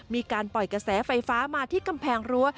มีการปล่อยกระแสไฟฟ้ามาที่กำแพงรั้ว